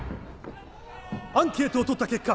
アンケートをとった結果